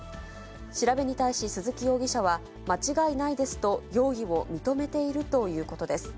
調べに対し、鈴木容疑者は間違いないですと容疑を認めているということです。